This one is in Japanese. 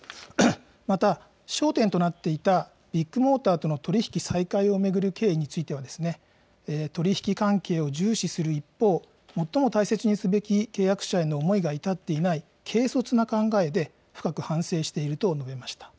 また焦点となっていたビッグモーターとの取り引き再開を巡る経緯については取り引き関係を重視する一方、最も大切にすべき契約者への思いが至っていない軽率な考えで深く反省していると述べました。